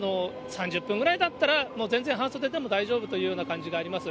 ３０分ぐらいだったら、全然半袖で大丈夫という感じがあります。